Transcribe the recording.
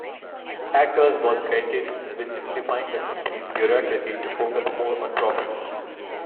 Akers was credited with simplifying the company's bureaucracy to focus more on profits.